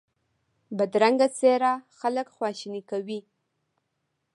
بدرنګه څېره خلک خواشیني کوي